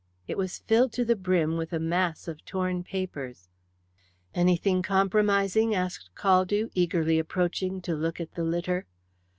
It was filled to the brim with a mass of torn papers. "Anything compromising?" asked Caldew, eagerly approaching to look at the litter.